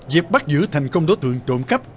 dẹp bắt giữ thành công đối tượng trộm cấp